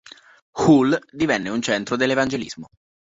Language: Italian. Hull divenne un centro dell'evangelismo.